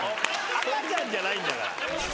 赤ちゃんじゃないんだから。